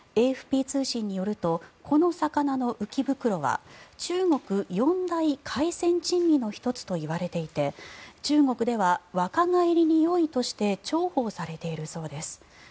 ＡＦＰ通信によるとこの魚の浮袋は中国四大海鮮珍味の１つといわれていて中国では若返りによいとして重宝されているそうです。